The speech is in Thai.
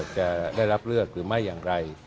จะได้รับเลือกหรือไม่อย่างไร